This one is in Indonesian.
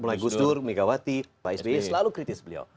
mulai gusdur megawati pak sbi selalu kritis beliau